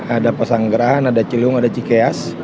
ada pesanggerahan ada ciliwung ada cikeas